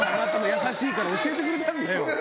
優しいから教えてくれたんだよ。